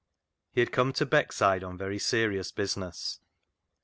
He had come to Beckside on very serious busi ness.